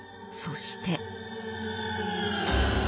そして。